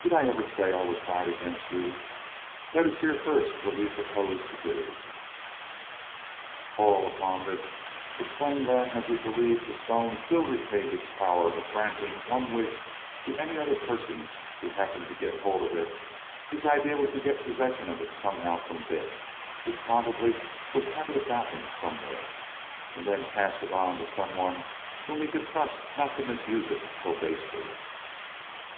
"Did I ever say I would side against you? Let us hear first what you propose to do." Paul, upon this, explained that, as he believed the Stone still retained its power of granting one wish to any other person who happened to get hold of it, his idea was to get possession of it somehow from Dick, who probably would have it about him somewhere, and then pass it on to some one whom he could trust not to misuse it so basely.